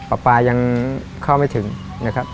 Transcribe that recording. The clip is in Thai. ปลาปลายังเข้าไม่ถึงนะครับ